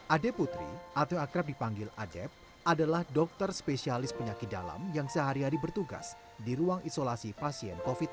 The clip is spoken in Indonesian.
ade putri atau akrab dipanggil adep adalah dokter spesialis penyakit dalam yang sehari hari bertugas di ruang isolasi pasien covid sembilan belas